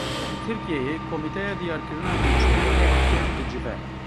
Li Tirkiyeyê komîteya diyarkirina mûçeyê herî kêm dicive.